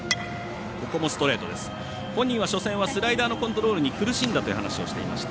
本人は初戦はスライダーのコントロールに苦しんだという話をしていました。